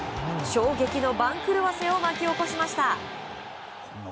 衝撃の番狂わせを巻き起こしました。